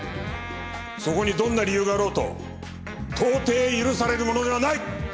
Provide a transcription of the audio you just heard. そこにどんな理由があろうと到底許されるものではない！